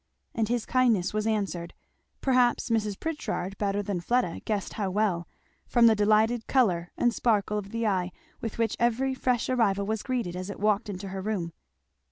And his kindness was answered, perhaps Mrs. Pritchard better than Fleda guessed how well, from the delighted colour and sparkle of the eye with which every fresh arrival was greeted as it walked into her room.